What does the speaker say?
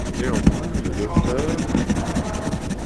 Néanmoins, le Dr.